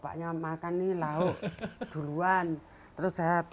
jadi kami akan menahanipu semua barang saja